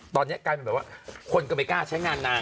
ตอนนี้กลายเป็นแบบว่าคนก็ไม่กล้าใช้งานนาน